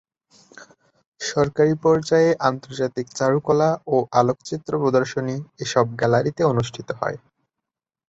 সরকারি পর্যায়ে আন্তর্জাতিক চারুকলা ও আলোকচিত্র প্রদর্শনী এসব গ্যালারিতে অনুষ্ঠিত হয়।